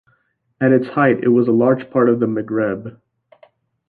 At its height, it was a large part of the Maghreb.